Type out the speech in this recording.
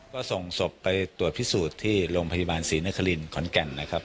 ก็ส่งศพไปตรวจพิสูจน์ที่โรงพยาบาลศรีนครินขอนแก่นนะครับ